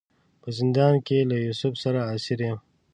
په زندان کې له یوسف سره اسیر یم.